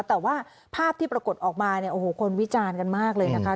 แต่ว่าภาพที่ปรากฏออกมาคนวิจารณ์กันมากเลยนะคะ